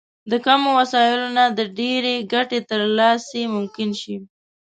له کمو وسايلو نه د ډېرې ګټې ترلاسی ممکن شي.